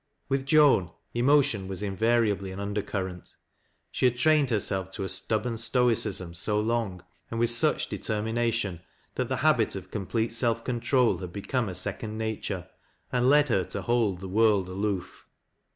With Joan, emotion was invariably an undercurrent. She had trained hei self to a stubborn stoi cism so long, and with such determination, that the habit of complete self control had become a second nature, and led her to hold the world aloof.